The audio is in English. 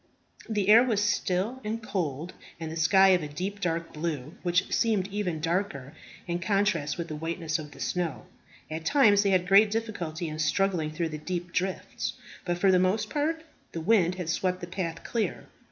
The air was still and cold, and the sky of a deep, dark blue, which seemed even darker in contrast with the whiteness of the snow. At times they had great difficulty in struggling through the deep drifts; but for the most part the wind had swept the path clear.